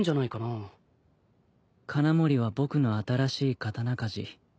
鉄穴森は僕の新しい刀鍛治。